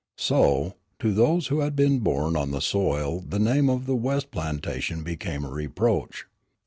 So, to those who had been born on the soil the name of the west plantation became a reproach.